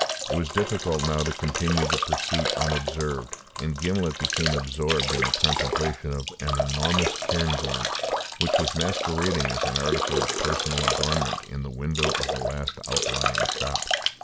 It was difficult now to continue the pursuit unobserved: and Gimblet became absorbed in the contemplation of an enormous cairngorm, which was masquerading as an article of personal adornment in the window of the last outlying shop.